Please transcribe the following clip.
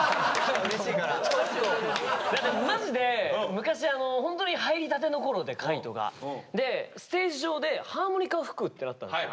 うれしいから。だってマジで昔ホントに入りたてのころで海人が。でステージ上でハーモニカを吹くってなったんですよ。